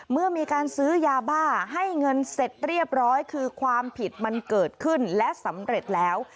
เมื่อมีการซื้อยาบ้าให้เงินเสร็จเรียบร้อยคือความผิดมันเกิดขึ้นและสำเร็จแล้ว